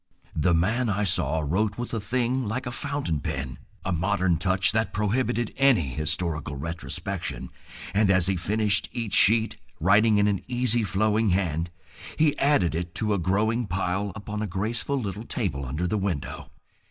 The man I saw wrote with a thing like a fountain pen, a modern touch that prohibited any historical retrospection, and as he finished each sheet, writing in an easy flowing hand, he added it to a growing pile upon a graceful little table under the window.